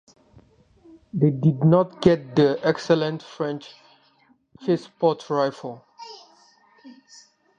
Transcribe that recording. They did not get the excellent French Chassepot rifle.